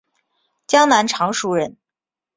江南常熟人。